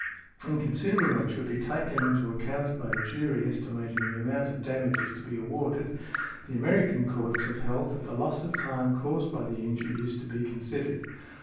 In considering what should be taken into account by a jury estimating the amount of damages to be awarded, the American courts have held, that the loss of time caused by the injury is to be considered .